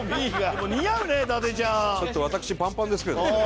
ちょっと私パンパンですけど。